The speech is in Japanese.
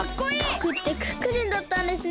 ぼくってクックルンだったんですね。